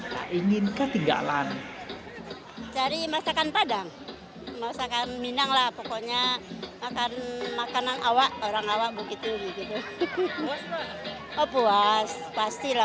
tadi si kapau dan si lontong pecel